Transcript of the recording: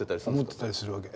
思ってたりするわけ。